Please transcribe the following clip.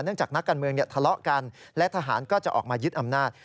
จากนักการเมืองทะเลาะกันและทหารก็จะออกมายึดอำนาจ